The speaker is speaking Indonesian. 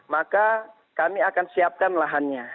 maka kami akan siapkan lahannya